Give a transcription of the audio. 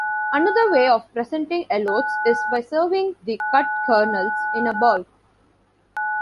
Another way of presenting elotes is by serving the cut kernels in a bowl.